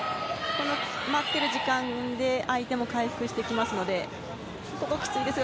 この待っている時間で相手も回復してきますので。